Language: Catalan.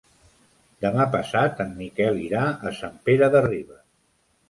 Demà passat en Miquel irà a Sant Pere de Ribes.